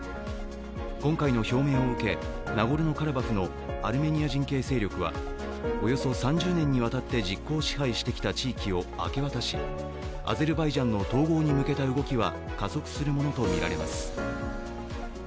今回の表明を受け、ナゴルノ・カラバフのアルメニア人系勢力はおよそ３０年にわたって実効支配してきた地域を明け渡しアゼルバイジャンの統合に向けた動きは加速するものとみられます。